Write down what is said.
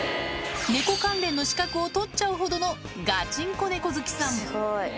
猫関連の資格を取っちゃうほどのガチンコ猫好きさん